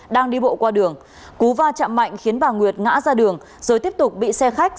đang đi bộ qua đường cú va chạm mạnh khiến bà nguyệt ngã ra đường rồi tiếp tục bị xe khách